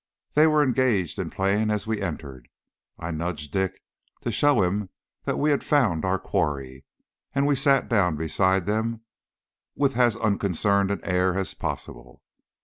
They were engaged in playing as we entered. I nudged Dick to show him that we had found our quarry, and we sat down beside them with as unconcerned an air as possible.